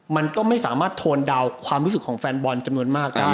มันก็ไม่สามารถโทนเดาความรู้สึกของแฟนบอลจำนวนมากได้